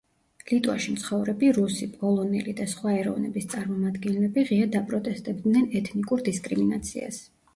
ლიტვაში მცხოვრები რუსი, პოლონელი და სხვა ეროვნების წარმომადგენლები ღიად აპროტესტებდნენ ეთნიკურ დისკრიმინაციას.